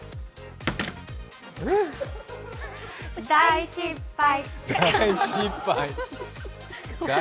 大失敗。